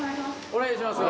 お願いします。